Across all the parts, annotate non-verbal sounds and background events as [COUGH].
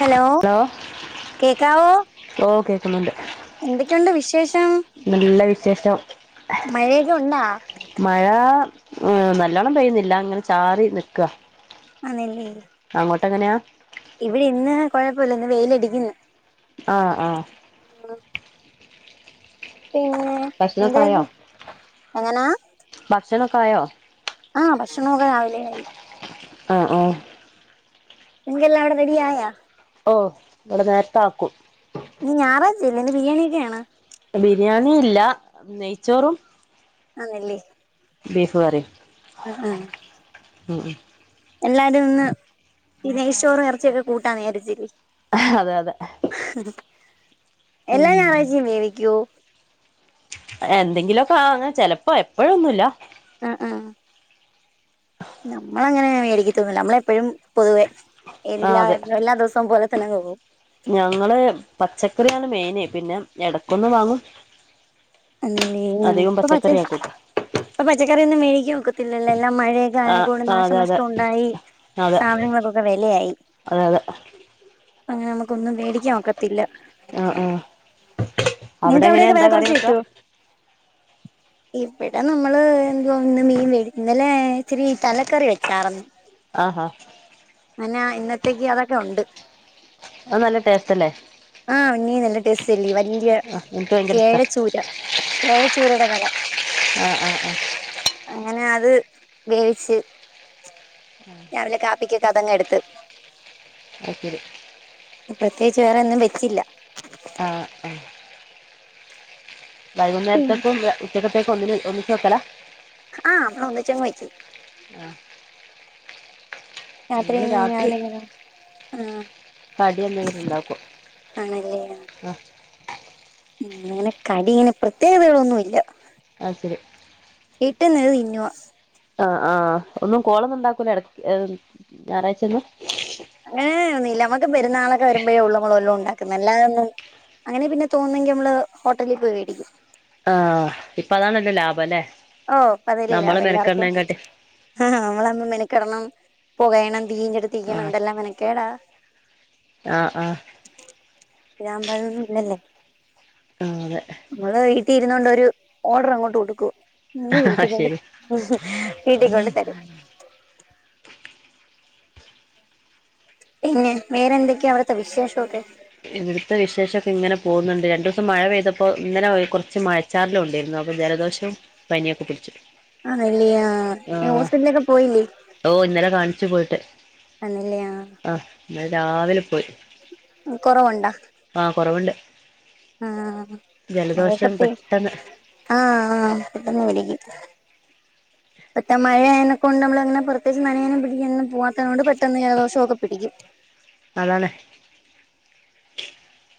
hello കേൾകാവോ ഓ കേൾക്കുന്നുണ്ട് എന്തൊക്കെയുണ്ട് വിശേഷം നല്ല വിശേഷം മഴയക്കെ ഉണ്ടോ മഴ [UNINTELLIGIBLE] നല്ലോണ്ണം പെയ്യുന്നില്ല അങ്ങനെ ചാറി നിൽക്കാ ആണല്ലൈയെ അങ്ങോട്ട് എങ്ങനെയാ ഇവിടെ ഇന്ന് കുഴപ്പമില്ല ഇന്ന് വെയില് അറിക്കുന്നു ആഹ് ആഹ് പിന്നെ ഭക്ഷണം ഒക്കെ ആയോ എന്തൊക്കെ എങ്ങനാ ഭക്ഷണം ഒക്കെ ആയോ ആഹ് ഭക്ഷണോക്കെ രാവിലെആയി ആ ആ [UNINTELLIGIBLE] നിങ്ങൾക്കെല്ലാം റെഡി ആയോ ഓ ഇവിടെ നേരത്ത ആക്കും ഇന്ന് ഞായറഴ്ചല്ലേ ബരിയാണിയൊക്കേയാണ് ബിരിയാണിയില്ല നെയ്ച്ചോറും ആാന്നല്ലേ ബീഫ് കറിയും ആഹ് ആഹ് ഉം ഉ എല്ലാരും ഒന്ന് ഈ നെയ്ചോറും ഇറച്ചിക്കെ കൂട്ടാ വിചാരിചിക്കി അതെ അതെ എല്ലാം ഉം ഞാറായ്ചിം വേവിക്കോ എന്തെങ്കിലൊക്കെ ആഹാ വാങ്ങ് ചെലപ്പോ എപ്പഴന്നുല്ല അ ആ നമ്മളങ്ങനെ മേടിക്കത്തൊന്നുല്ല നമ്മളപ്പഴും പൊതുവേ ആഹ് എല്ലാ അതെ എല്ലാ ദിവസവും പോലെ തന്നെ അങ്ങ് പോകും ഞങ്ങള് പച്ചക്കറിയാണ് മെയിന് പിന്നെ എടക്കൊന്ന് വാങ്ങും അല്ലില്ലേ യ്യ അധികം പ്പ പച്ച പച്ചക്കറി ആക്കൂട്ടോ ഇപ്പൊ പച്ചക്കറിയൊന്നും വേടിക്കാ ഒക്കത്തില്ലല്ലോ എല്ലാം മഴയൊക്കെ ആ ആഹ് നെകൊണ്ട് ആഹ് അതെ അതെ നാശനഷ്ടം ഒണ്ടായി അതെ സാധനങ്ങൾക്കൊക്കെ വെലയായി അതെ അങ്ങനെ നമക്കൊന്നും വേടിക്കാൻ ഒക്ക ത്തില്ല ആഹ് ആഹ് അവിടെ നിങ്ങക്ക് എങ്ങനെ അവിടെക്കെ വെല എന്താ കറി കൊറച്ച് വെക്കാ കിട്ടോ ഇവിടെ നമ്മള് എന്ത്വാ ഇന്ന് മീൻ വേടി ഇന്നലെ ഇച്ചിരി തലക്കറി വെച്ചാർന്ന് ആഹാ അനാ ഇന്നത്തേക്ക് അതൊക്കെ ഉണ്ട് ആ നല്ല ടേസ്റ്റല്ലേ ആഹ് ഉണ്ണീ നല്ല ടേസ്റ്റ് ല്ലേ വല്യയ ആഹ് എനിക്ക് ഭയങ്കര ഇഷ്ടാ കേഴച്ചൂര കേഴച്ചൂരേടെ തല ആഹ് ആഹ് ആഹ് അങ്ങനെ അത് വേവിച്ച് ഉം വല്ല കാപ്പിക്കൊക്കെ അതങ്ങെ എടുത്ത് അത് ശരി പ്രത്യേകിച്ച് വേറെന്നും വെച്ചില്ല ആഹ് ആഹ് പിന്നെ വൈകുന്നേരത്തേക്കും ഉച്ചക്കത്തേക്കും ഒന്നിന് ഒന്നിച്ച് വെക്കല ആഹ് അമ്മ ഒന്നിചങ്ങ് വക്കും ആഹ് രാത്രിം ഞങ്ങള് രാത്രി രാവിലെങ്ങനാ കടി എന്തെങ്കിലും ഉണ്ടാക്കും ആഹ്ആണല്ലേ ആ ആഹ് ഉം അങ്ങനെ കടയിങ്ങനെ പ്രത്യേകതകളൊന്നും ഇല്ല ആ ശരി കിട്ടുന്നത് തിന്നുവ ആഹ് ആഹ് ഒന്നും കോളൊന്നും ഉണ്ടാക്കൂലോ ഇടക്ക് ഞാറാഴ്ച ഒന്നും അങ്ങനെ ഒന്നില്ല നമുക്ക് പെരുന്നാളൊക്കെ വരുമ്പഴേ ഒള്ളൂ വല്യതുണ്ടക്കാ ക്ക് നല്ലതെന്ന് അങ്ങനെ പിന്നെ തോന്നുങ്കിൽ നമ്മള് ഹോട്ടലി പോയി മേടിക്കും ആഹ് ഇപ്പൊ അതാണല്ലോ ലാഭം അല്ലേ ഓ പ്പതല്ലീ നമ്മള് ലാഭം എല്ലാർക്കും മെനക്കെടണേകാട്ടി ആ നമ്മള ങ്ങനെ മെനക്കെടണം പൊകയണം തിയും കെട്ത്തിക്കണം ആഹ് എന്തെല്ലാം മെനക്കേടാ ആഹ് ആഹ് രാം ബാദൂഇന്നല്ലേ ആ അതെ മ്മള് വീട്ടിലിരുന്നു കൊണ്ട് ഓർഡർ അങ്ങ് കൊടുക്കും ഇന്നെ വീട്ടി അതെ കൊണ്ട് ശരി വീട്ടിൽ കൊണ്ട് തരും പിന്നെ വേറെന്തൊക്കെയാ അവിടുത്തെ വിശേഷൊക്കെ ഇവിടുത്തെ വിശേഷൊക്കെ ഇങ്ങനെ പോകുന്നുണ്ട് രണ്ടു ദിവസം മഴ പെയ്തപ്പോ ഇന്നലെ കുറച്ച് മഴ ച്ചാറലും ഉണ്ടായിരുന്നു അപ്പൊ ജലദോഷവും പനിയൊക്കെ പിടിച്ചു ആണല്ലേ ആ ഹോസ്പിറ്റിലൊക്കെ പോയില്ലേ ഓ ഇന്നലെ കാണിച്ചു പോയിട്ട് ആല്ലല്ലേ ആഹ് ഇന്നലെ രാവിലെ പോയി ഉം കൊറവുണ്ടാ ആഹ് കൊറവുണ്ട് ആഹ് ജലദോഷം പെട്ടെന്ന് ആ ആ പെട്ടെന്ന് പിടിക്കും മറ്റേ മഴയാനെ കൊണ്ട് നമ്മള അങ്ങനെ പുറത്തേക്ക് നനയാനും പിടിക്കാനൊന്നും പോവാത്തത് കൊണ്ട് പെട്ടെന്നു ജലദോഷോ ഒക്കെ പിടിക്കും അതാണെ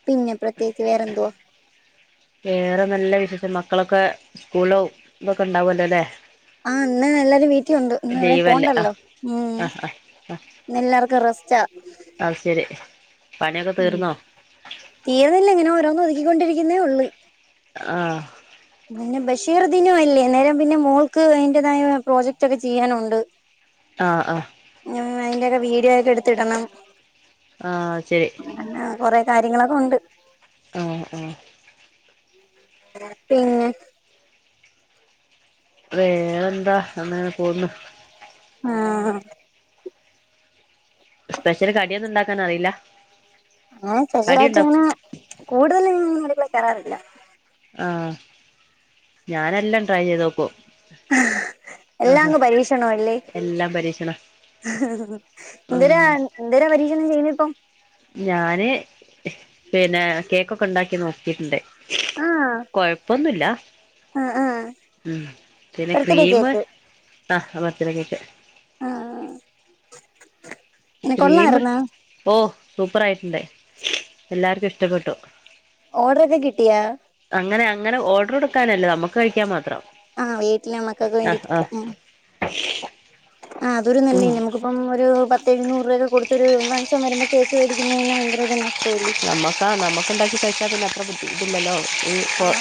പിന്നെ പ്രത്യേകിച്ച് വേറെന്തുവാ വേറെ നല്ല വിശേഷം മക്കളൊക്കെ സ്കൂളോ ഇതൊക്കെ ണ്ടാവല്ലോല്ലേ ആ ഇന്ന് എല്ലാരും വീട്ടിലുണ്ട് ഇന്ന് എവിടെയും ലീവല്ലേ ആ പോണ്ടല്ലോ മ് ആ ആ ആ ന്ന് എല്ലാർക്ക് റസ്റ്റാ അത് ശരി പണിയൊക്കെ തീർന്നോ തീർന്നില്ല ഇങ്ങനെ ഓരോന്ന് ഒതുക്കിക്കൊണ്ടിരിക്കുന്നേ ഉള്ള് ആ പിന്നെ ബഷീർദിനം അല്ലേ അന്നേരം പിന്നെ മോൾക്ക് അതിന്റേതായ പ്രോജക്റ്റ്ക്കെ ചെയ്യാനുണ്ട് [INAUDIBLE] ആ അ മ് അതിന്റെക്കെ വീഡിയൊക്കെ എടുത്തിടണം ആ ശരി ആ കൊറെ കാര്യങ്ങളൊക്കെ ഉണ്ട് ആ അ പിന്നെ വേറെ എന്താ അങ്ങനെ പോന്നു ആ സ്പെഷ്യൽ കടിയൊന്നും ണ്ടാക്കാൻ അറിയില്ല അങ്ങനെ കടി ചെറുതായിട്ട് ഉണ്ടാക്കും ങ്ങനെ കൂടുതലൊന്നും ഉണ്ടാകാറില്ല ആ ഞാനെല്ലാം ട്രൈ ചെയ്തുനോക്കും എല്ലാങ്ങ് പരീക്ഷണ അല്ലേ എല്ലാം പരീക്ഷണ എന്തേരാ ഉം എന്തേരാ പരീക്ഷണം ചെയ്യ്ന്നെ ഇപ്പൊ ഞാന് പിന്നെ കേക്ക് ഒക്കെ ണ്ടാക്കി നോക്കിട്ട്ണ്ട് ആഹ് കൊഴപ്പൊന്നുല്ല ആ ആ ഉം പിന്നെ ബർത്ത്ഡേ ക്രീമ്മ് കേക്ക് ആ ബർത്തിടക്കൊക്കെ ആ ആ ക്രീമ്മ് കൊള്ളായിരുന്നോ ഓ സൂപ്പറായിട്ട്ണ്ട് എല്ലാർക്കും ഇഷ്ടപ്പെട്ടു ഓർഡർ ഒക്കെ കിട്ടിയാ അങ്ങനെ അങ്ങനെ ഓർഡർ കൊടുക്കാനല്ലേ നമ്മുക്ക് കഴിക്കാൻ മാത്രം ആ വീട്ടിലെ മക്കൾക്ക് ആഹ് വേണ്ടിട്ടൊക്കെയാ ആഹ് ഉം [INAUDIBLE] ആ അതൊരു നല്ല ഉം അല്ലെ നമുക്ക് ഇപ്പം ഒരു പത്ത് എഴുന്നൂറ് രൂപൊക്കെ കൊടുത്തൊരു മനുഷ്യൻ വരുമ്പോ കേക്ക് മേടിക്കുന്ന തന്നെ ഭയങ്കര ഒരു നഷ്ടവല്ലേ നമുക്കാ നമുക്ക ഉണ്ടാക്കി കഴിച്ചാൽ പിന്നെ അത്ര ബുദ്ധിമുട്ടില്ലല്ലോ ആ [UNINTELLIGIBLE]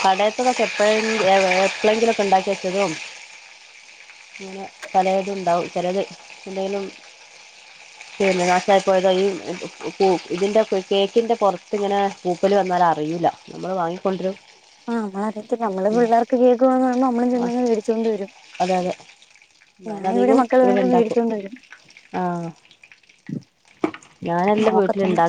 കട എപ്പഴ [UNINTELLIGIBLE] എപ്പോളെങ്കിലൊക്കെ ണ്ടാക്കി വെച്ചതും അങ്ങനെ പലതും ഉണ്ടാവും ചിലത് എന്തെങ്കിലും ശരി നസായി പോയതാ പൂ ഇതിന്റെ കേക്കിന്റെ പൊറത്ത് ങ്ങനെ പൂപ്പല് വന്നാല് അറിയൂല നമ്മൾ വാങ്ങിക്കൊണ്ടരും ആ നമ്മള അറിയത്തി നമ്മള് പിള്ളേർക്ക് കേൾക്കന്ന് പറുമ്പോ നമ്മളും ആ ചെന്ന് മേടിച്ചോണ്ട് വരും അതെ അതെ ഞാന ഇവിടെ ഞാനധികം മക്കൾ പറയുമ്പോ ഉണ്ടാക്കും മേടിച്ചോണ്ട് വരും ആ ഞാൻ എല്ലം വ് നോക്കത്തൊള്ളൂ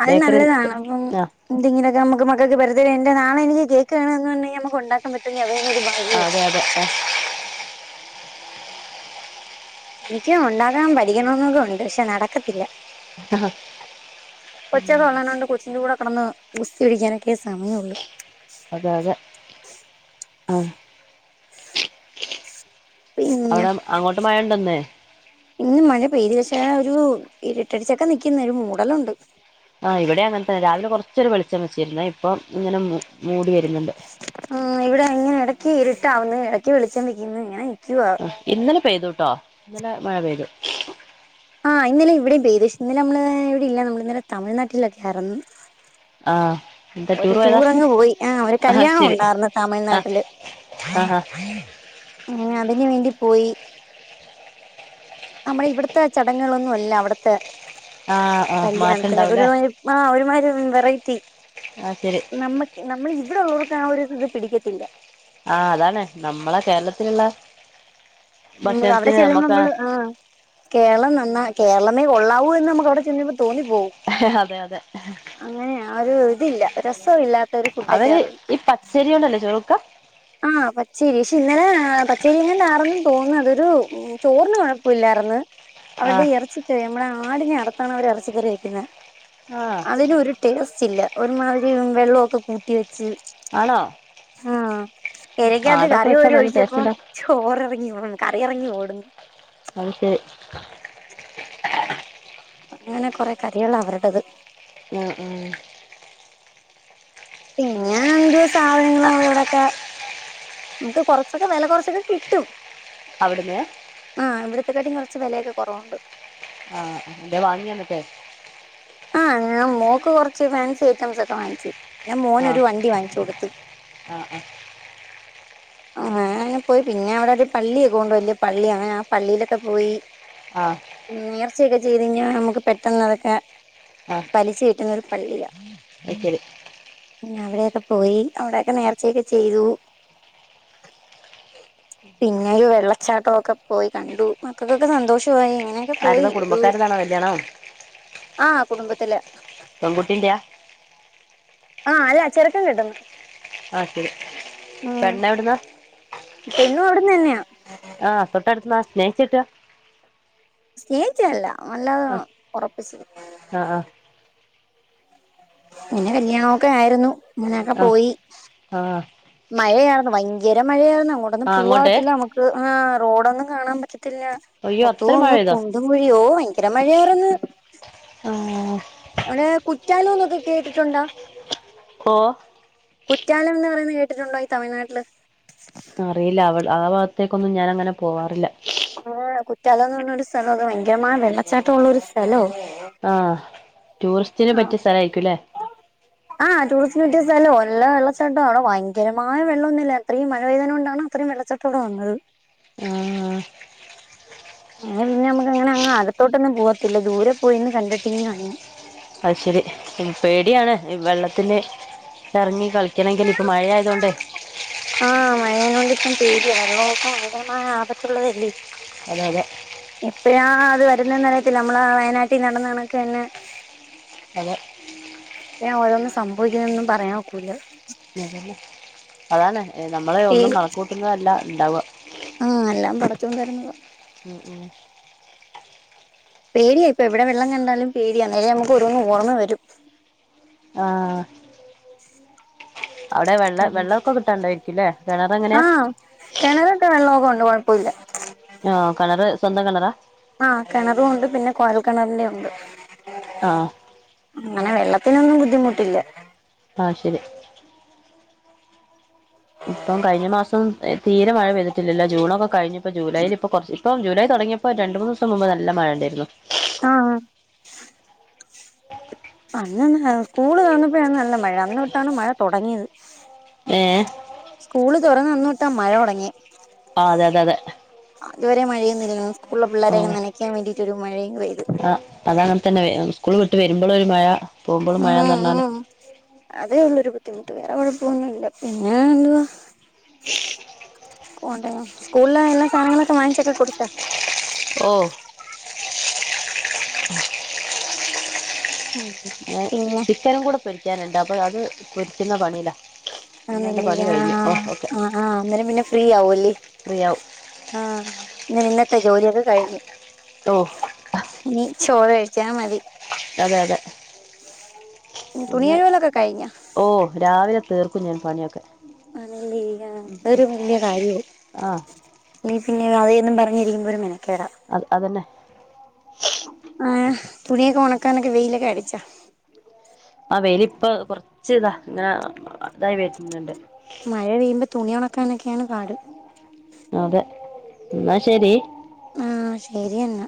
അത് നല്ലതാണ് അപ്പം ആ എന്തെങ്കിലൊക്കെ നമക്ക് മക്കൾക്ക് [UNINTELLIGIBLE] എന്റെ നാളെ എനിക്ക് കേക്ക് വേണം ന്ന് പറഞ്ഞ നമ്മക്ക് ഉണ്ടാക്കാ പറ്റുഎങ്കിൽ അതന്നെ ഒര് ഭ അതെ അതെ അ എനിക്കും ഉണ്ടാക്കാൻ പഠിക്കണം എന്നൊക്കെ ഉണ്ട് പക്ഷെ നടക്കത്തില്ല കൊച്ചൊക്കെ വന്നെനോണ്ട് കൊച്ചിന്റെ കൂടെ കെടന്ന് ഗുസ്തി പിടിക്കാനൊക്കെ സമയൊള്ളൂ അതതെ ആഹ് പിന്നെ അവിടെ അങ്ങോട്ട് മഴണ്ടോന്ന് ഇന്ന് മഴ പെയ്തു പക്ഷേ ഒരു ഇരിട്ടടിച്ചൊക്കെ നിക്ക്ന്ന് ഒര് മൂടലുണ്ട് ആഹ് ഇവിടെ അങ്ങനെ തന്നെ രാവിലെ കൊറച്ചൊരു വെളിച്ചം വെച്ചിരുന്നേ ഇപ്പൊ ഇങ്ങനെ മൂ മൂടി വര്ന്നുണ്ട് ആഹ് ഇവിടെ ഇങ്ങനെ ഇടയ്ക്ക് ഇരിട്ടാവുന്നു ഇടയ്ക്ക് വെളിച്ചം വെയ്ക്ക്ന്ന് ഇങ്ങനെ നിക്കുവാ ആ ഇന്നലെ പെയ്തു ട്ടോ ഇന്നലെ മഴ പെയ്തു ആഹ് ഇന്നലെ ഇവിടിം പെയ്ത് ശ് ഇന്നലെ നമ്മള് ഇവിടെ ഇല്ല നമ്മള് ഇന്നലെ തിഴ്നാട്ടിലൊക്കെറ്ന്ന് ആഹ് എന്താ ഒരു പോയതാ ടൂർ അങ്ങ് പോയി ആ ഒര് ആഹ് കല്യാണം ശരി ഉണ്ടാറ്ന്നു ആഹ് തമിഴ്നാട്ടില് ആഹ് ഹാ അങ്ങനെ അതിന് വേണ്ടി പോയി നമ്മളെ ഇവ്ട്ത്തെ ചടങ്ങേളോന്നും അല്ല അവിട്ത്തെ ആഹ് ആഹ് കല്യാണത്തിന് മാറ്റണ്ടാവൂലേ ഒര്മാതിരി ആഹ് ഒര്മാതിരി വെറൈറ്റി ആഹ് ശരി നമ്മക്ക് നമ്മള് ഇവിടെ ഉള്ളോർക്ക് ആ ഒര് ഇത് പിടിക്കത്തില്ല ആഹ് അതാണ് നമ്മളെ കേരളത്തില്ള്ള മ്മ് അവടെ ചെല്ലുമ്പോ നമ്മള് ആഹ് കേരളം നന്നാ കേരളമേ കൊള്ളാവൂ എന്ന് നമക്ക് അവിടെ ചെല്ലുമ്പോ തോന്നിപ്പോവും അതെ അതെ അങ്ങനെയാ ആ ഒര് ഇതില്ല രസ ഇല്ലാ അവര് ഈ പച്ചരിയൊണ്ടല്ലേ ചോറ് വെക്ക ആഹ് പച്ചേരി ക്ഷെ ഇന്നലെ പച്ചേരിക്കൊണ്ടാറ്ന്ന് തോന്നുന്നത് ഒരു ചോറിന് കൊഴപ്പല്ല്യാറ്ന്ന് അവര്ടെ ആഹ് ഈ എറച്ചിക്കറി നമ്മടെ ആടിനെ അറ്ത്താണ് അവര് എറച്ചിക്കറി വെയ്ക്ക്ന്നേ ആഹ് അതിനോരു ടേസ്റ്റ് ഇല്ല ഒരുമാതിരി വെള്ളൊക്കെ കൂട്ടി വെച്ച് ആണോ എലയ്ക്കകത്ത് ആടൊക്കെ കറി വെച്ചാ ഓര് നല്ല ടേസ്റ്റ് ഒഴിച്ചപ്പം ഉണ്ടാവും ചോറേറങ്ങി പോണ് കറി എറങ്ങി പോണ് അത് ശെ അങ്ങനെ കൊറെ കറിയേളാ അവര്ടത് മ്മ് മ്മ് പിന്നെ എന്തോ സാധനങ്ങള് അവടെ ഇവിടൊക്കെ നമുക്ക് കൊറച്ചൊക്കെ വെല കൊറച്ചൊക്കെ കിട്ടും അവിടുന്ന് ആഹ് ഇവടത്തെക്കാട്ടിം കൊറച്ച് വെലയൊക്കെ കൊറവുണ്ട് ആഹ് എന്തേം വാങ്ങിയൊന്നട്ട് ആഹ് ഞാൻ മോക്ക് കൊറച്ച് ഫാൻസി ഐറ്റംസൊക്കെ വാങ്ങിച്ച് പിന്നെ ആഹ് മോനോരു വണ്ടി വാങ്ങിച്ചോട്ത്ത് ആഹ് ആഹ് ആഹ് അങ്ങനെ പോയി പിന്നെ അവിടൊരു പള്ളിയൊക്കെണ്ട് വല്യ പള്ളി അങ്ങനെ ആ പള്ളിലൊക്കെ പോയി ആഹ് നേർച്ചയൊക്കെ ചെയ്ത്ങ്ങനെ നമുക്ക് പെട്ടന്നതൊക്കെ ആഹ് ഫലിച്ച് കിട്ടുന്നൊരു പള്ളിയാ അത് ശെരി പിന്നെ അവിടെക്കെ പോയി അവിടെയൊക്കെ നേർച്ചയൊക്കെ ചെയ്തു പിന്നെ ഒരു വെള്ളച്ചാട്ടം ഒക്കെ പോയി കണ്ടു മക്കക്കൊക്കെ സന്തോഷു ആയി ഇങ്ങനെയൊക്കെ പോയി ആരതാ ഒരു കുടുംബക്കാരതാണോ കല്യാണം ആഹ് കുടുംബത്തില് പെൺകുട്ടിന്റിയാ ആഹ് അല്ല ചെറ്ക്കന് കെട്ട്ന്ന് ആഹ് ശരി പെണ്ണ് എവ്ട്ന്നാ പെണ്ണും അവിട്ന്ന് തന്നെയാ ആഹ് തൊട്ടടുത്ത്ന്നാ സ്നേഹിച്ച് കെട്ടാ സ്നേഹിച്ചല്ല അല്ലത ഉറപ്പിച്ച് ആഹ് ആഹ് പിന്നെ കല്യാണമൊക്കെ ആയിരുന്നു അങ്ങനൊക്കെ ആ പോയി ആ മഴയായിരുന്നു ഭയങ്കര മഴയായിരുന്നു അങ്ങോട്ടൊന്നും ആ അങ്ങോട്ടേ പൂവാകത്തില്ല നമുക്ക് ആഹ് റോഡൊന്നും കാണാൻ പറ്റത്തില്ല അയ്യോ മൊത്തവും അത്രയും മഴ അങ്ങ് കു പെയ്തോ കുണ്ടും കുഴിയോ ഭയങ്കര മഴയാറന്ന് ആഹ് അവിടെ കുറ്റാലം ഒന്നൊക്കെ കേട്ടിട്ടുണ്ടാ ഓ കുറ്റാലം എന്ന് പറയുന്നത് കേട്ടിട്ടുണ്ടോ ഈ തമിഴ്നാട്ടില് അറിയില്ല അവ ആ ഭാഗത്തേക്കൊന്നും ഞാൻ അങ്ങനെ പോവാറില്ല ആഹ് കുറ്റാലംന്നുള്ളരു സ്ഥലം അത് ഭയങ്കരമായ വെള്ളച്ചാട്ടം ഉള്ളരു സ്ഥലോ ആഹ് ടൂറിസ്റ്റിന് പറ്റിയ സ്ഥല ആയിരിക്കുംല്ലേ ആഹ് ടൂറിസ്റ്റിന് പറ്റിയ സ്ഥല എല്ല വെള്ളച്ചാട്ട ആണോ ഭയങ്കരമായ വെള്ളൊന്നുമ ഇല്ല അത്രയും മഴപേദത് കൊണ്ടോ അത്രയും വെള്ളച്ചാട്ടം തുടെ വന്നത് ആ അങ്ങനെ പിന്നെ നമുക്ക് അങ്ങനെ അങ്ങ അലത്തോട്ടൊന്നും പോത്തില്ല ദൂരെ പോയിന്ന് കണ്ടിട്ടിന്ന് വന്ന് അത് ശരി പേടിയാണ് വെള്ളത്തില് ഇറങ്ങി കളിക്കണമെങ്കിൽ ഇപ്പ മഴയ ആയതൊണ്ടേ ആഹ് മഴേന കൊണ്ട് ഇപ്പം പേടയാ വെള്ളമൊക്കെ ഭയങ്കരമായ ആപത്തുള്ളതല്ലേ അതെ അതെ എപ്പഴാ അത് വരുന്നന് അറിയത്തില്ല നമ്മള വയനാട്ടിൽ നടന്ന കണൊക്കെ തന്നെ അതെ ഞാൻ ഓരോന്നും സംഭവിക്കുന്നൊന്നും പറയാനൊക്കൂല്ല അതല്ലേ അതാണ് നമ്മള പേ ഒന്നും കണക്ക കൂട്ടുന്നത അല്ല ഉണ്ടാവുക ആഹ് എല്ലാം പറച്ചുകൊണ്ട് തരുന്നുന്നത് ഉം ഉം പേടിയ ഇപ്പ എവിടെ വെള്ളം കണ്ടാലും പേടിയാ നേരം നമുക്ക് ഒരുരോന്ന് ഓർമ്മ വരും ആഹ് അവിടെ വെള്ള വെള്ളമൊക്കെ കിട്ടാണ്ടായിരിക്കല്ലേ കിണർ എങ്ങനെയാ കിണലട്ടെ വെള്ളമൊക്കെ കൊണ്ട് കുഴപ്പമില്ല ആഹ് കെണറ് സ്വന്തം കെണറാ ആഹ് കിണറും ഉണ്ട് പിന്നെ കോയൽ കിണറിന്റെയും ഉണ്ട് ആഹ് അങ്ങനെ വെള്ളത്തിനൊന്നും ബുദ്ധിമുട്ടില്ല ആഹ് ശരി ഇപ്പം കഴിഞ്ഞ മാസം തീരെ മഴ പെയ്തിട്ടില്ലില്ല ജൂണൊക്കെ കഴിഞ്ഞ ഇപ്പൊ ജൂലൈൽ ഇപ്പൊ കുറച്ച് ഇപ്പം ജൂലൈ തുടങ്ങിയപ്പോ രണ്ട് മൂന്ന് ദിവസം മുമ്പ് നല്ല മഴ ഇണ്ടായിരുന്നു ആഹ് ആഹ് അന്നന്ന് സ്കൂള് തുറന്നപ്പോഴാണ് നല്ല മഴ അന്ന് തൊട്ടാണ് മഴ തുടങ്ങിയത് ഏ സ്കൂള് തുറന്ന അന്നൊട്ടാ മഴ തുടങ്ങി ആഹ് അതെ അതെ അതെ അതുവരെ മഴൊന്നുല്ലിണം സ്കൂള പിള്ളരെയൊക്കെ ആഹ് നനയ്ക്കാൻ വേണ്ടീട്ട് ഒരു മഴയങ്ങ് പെയ്ത് ആഹ് അത അങ്ങനെ തന്നെ സ്കൂള് വിട്ട് വരുമ്പോളും ഒരു മഴ പോകുമ്പോളും ഉം മഴന്ന് പറഞ്ഞാല് ഉം അതേ ഉള്ളരു ബുദ്ധിമുട്ട് വേറെ കുഴപ്പൊന്നുല്ല പിന്നെ എന്തുവാ പോണ്ടേ സ്കൂളിൽ എല്ലാ സാനങ്ങളക്ക വാങ്ങിച്ചക്ക കുടുത്ത ഓഹ് ഉം ഏഹ് പിന്നെ ചിക്കനും കൂടെ പൊരിക്കാനിണ്ട് അപ്പോൾ അത് പൊരിക്കുന്ന പണില്ലാ ആ ന്നില്ലേ യാ ആ അന്നേരം പിന്നെ ഫ്രീ ആവുല്ലേ ഫ്രീ ആവും ആഹ് ങ്ങനെ ഇന്നത്തെ ജോലിയൊക്കെ കഴിഞ്ഞു ട്ടോ ഇനി ചോറ് കഴിച്ചാ മതി അതെ അതെ ഉം ഇന്ന് തുണികഴുവല്ലൊക്കെ കഴിഞ്ഞോ ഓ രാവിലെ തീർക്കും ഞാൻ പണിയൊക്കെ ആണല്ലേ ആ അഅ് ര്‌ വല്യ കാര്യായി ആഹ് ഇല്ലേ പിന്നെ അവയന്നും പറഞ്ഞിരിക്കുമ്പോ ഒര്മെനക്കേടാ അത് അതന്നെ ഏഹ് തുണിയൊക്കെ ഉണക്കാനൊക്കെ വെയിലൊക്കെ അടിച്ചാ ആഹ് വെയില് പ്പം കൊറച്ച് ഇതാ ഇങ്ങനെ ഇതായി വര്ന്ന്ണ്ട് മഴ പെയ്യുമ്പോ തുണി ഉണക്കാനൊക്കെയാണ് പാട് അതെ ഇന്നാ ശരി ആഹ് ശരിയെന്നാ